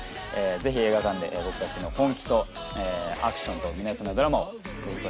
ぜひ映画館で僕たちの本気とアクションと、濃密なドラマをぜひご